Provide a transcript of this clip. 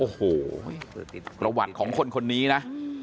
โอ้โหประวัติของคนคนนี้นะ